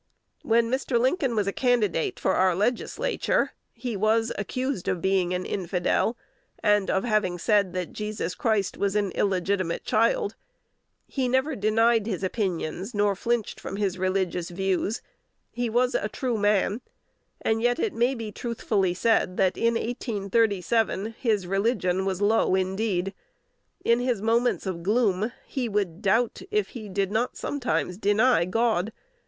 When Mr. Lincoln was a candidate for our Legislature, he was accused of being an infidel, and of having said that Jesus Christ was an illegitimate child: he never denied his opinions, nor flinched from his religious views; he was a true man, and yet it may be truthfully said, that in 1837 his religion was low indeed. In his moments of gloom he would doubt, if he did not sometimes deny, God.